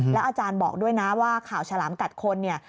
อาจารย์บอกด้วยนะว่าข่าวฉลามกัดคนเนี่ย